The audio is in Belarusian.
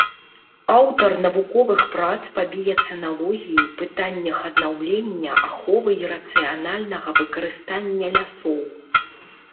Аўтар навуковых прац па біяцэналогіі, пытаннях аднаўлення, аховы і рацыянальнага выкарыстання лясоў.